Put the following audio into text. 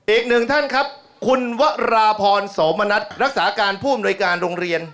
อีกหนึ่งท่านครับคุณวราพรโสมณัฐรักษาการผู้อำนวยการโรงเรียน